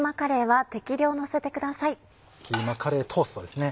キーマカレートーストですね。